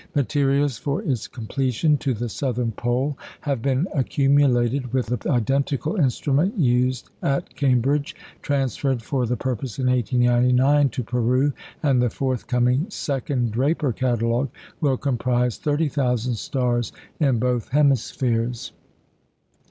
Materials for its completion to the southern pole have been accumulated with the identical instrument used at Cambridge, transferred for the purpose in 1889 to Peru, and the forthcoming "Second Draper Catalogue" will comprise 30,000 stars in both hemispheres.